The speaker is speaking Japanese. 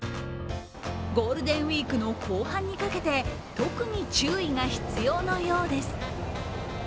ゴールデンウイークの後半にかけて、特に注意が必要のようです。